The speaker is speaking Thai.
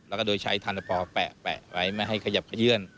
แล้วก็โดยใช้ธานพอแปะไว้ไม่ให้ขยับเขยื้อน